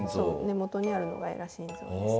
根元にあるのがエラ心臓ですね。